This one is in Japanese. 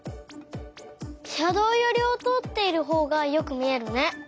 しゃどうよりをとおっているほうがよくみえるね！